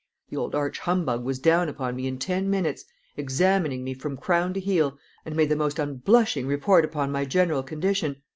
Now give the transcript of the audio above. The old arch humbug was down upon me in ten minutes, examining me from crown to heel, and made the most unblushing report upon my general condition.